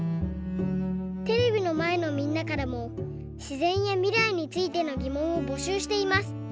テレビのまえのみんなからもしぜんやみらいについてのぎもんをぼしゅうしています。